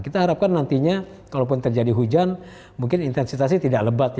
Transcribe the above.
kita harapkan nantinya kalaupun terjadi hujan mungkin intensitasnya tidak lebat